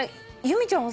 由美ちゃん